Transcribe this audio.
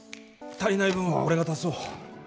足りない分は俺が足そう。